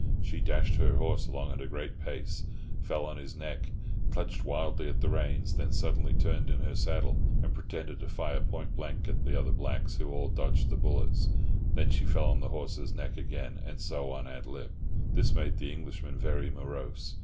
She dashed her horse along at a great pace, fell on his neck, clutched wildly at the reins, then suddenly turned in her saddle, and pretended to fire point blank at the other blacks, who all dodged the bullet. Then she fell on the horse's neck again, and so on ad lib. This made the Englishman very morose.